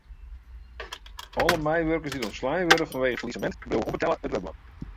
Alle meiwurkers dy't ûntslein wurde fanwegen it fallisemint bliuwe ûnbetelle it wurk dwaan.